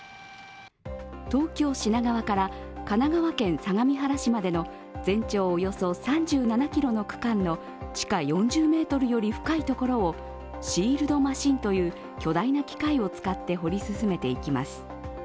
東京−品川から神奈川県相模原市までの全長およそ３７ｋｍの区間の地下４０ｍより深いところをシールドマシンという巨大な機械を使って掘り進めていきます。